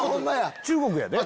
中国やで。